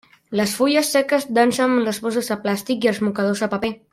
Les fulles seques dansen amb les bosses de plàstic i els mocadors de paper.